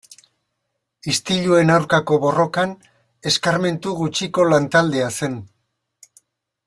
Istiluen aurkako borrokan eskarmentu gutxiko lan-taldea zen.